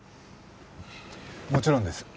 もちろんです。